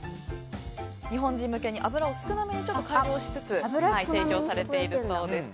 日本人向けに脂を少なめに改良しつつ提供されているそうです。